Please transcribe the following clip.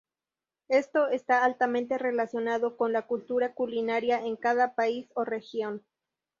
Esto está altamente relacionado con la cultura culinaria en cada país o región.